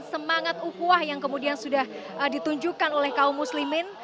semangat ukuah yang kemudian sudah ditunjukkan oleh kaum muslimin